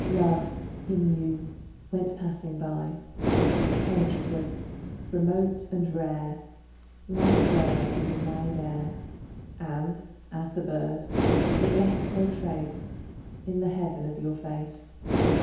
Love, in you, went passing by, Penetrative, remote, and rare, Like a bird in the wide air, And, as the bird, it left no trace In the heaven of your face.